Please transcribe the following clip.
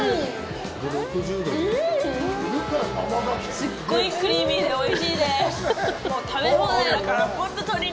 すっごいクリーミーでおいしいです。